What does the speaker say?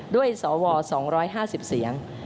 ด้วยสว๒๕๐เสียง